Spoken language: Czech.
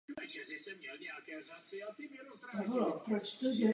Nemluvíme pouze o příležitostné dlouhé pracovní době.